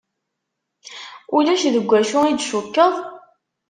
Ulac deg wacu i d-tcukkeḍ?